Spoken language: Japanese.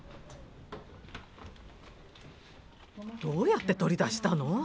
どうやって取り出したの？